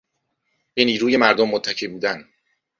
به نیروی مردم متکی بودن